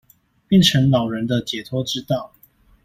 變成老人的解脫之道